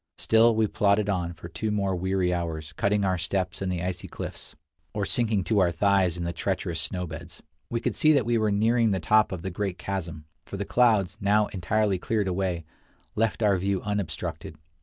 Still we plodded on for two more weary hours, cutting our steps in the icy cliffs, or sinking to our thighs in the treacherous snow beds. We could see that we were nearing the top of the great chasm, for the clouds, now entirely cleared away, left our view unobstructed.